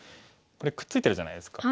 これくっついてるじゃないですか。